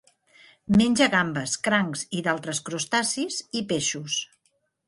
Menja gambes, crancs i d'altres crustacis, i peixos.